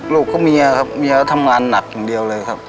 ลูกก็เมียครับเมียทำงานหนักอย่างเดียวเลยครับ